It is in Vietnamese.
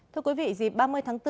thưa quý vị dịp ba mươi tháng bốn